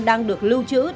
đang được lưu trữ